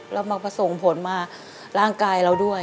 เรามาประสงค์ผลมาร่างกายเราด้วย